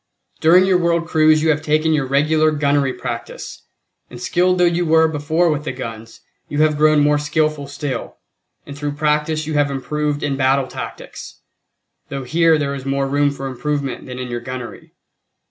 During your world cruise you have taken your regular gunnery practice, and skilled though you were before with the guns, you have grown more skilful still; and through practice you have improved in battle tactics, though here there is more room for improvement than in your gunnery.